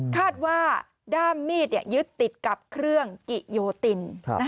คาดว่าด้ามมีดยึดติดกับเครื่องกิโยติน